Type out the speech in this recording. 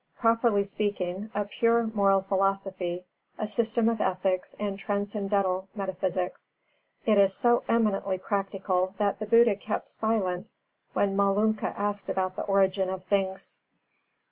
Properly speaking, a pure moral philosophy, a system of ethics and transcendental metaphysics. It is so eminently practical that the Buddha kept silent when Malunka asked about the origin of things.